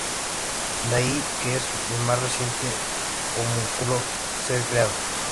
De ahí que es el más reciente homúnculo en ser creado.